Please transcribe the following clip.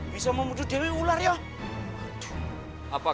bisa membunuh dewi ular ya